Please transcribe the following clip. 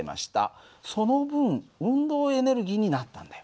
その分運動エネルギーになったんだよ。